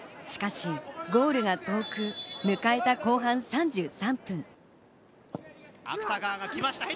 しかしゴールが遠く、迎えた後半３３分。